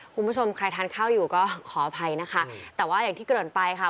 คุณผู้ชมใครทานข้าวอยู่ก็ขออภัยนะคะแต่ว่าอย่างที่เกินไปค่ะ